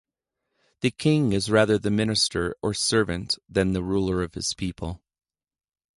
The king is rather the minister or servant than the ruler of his people.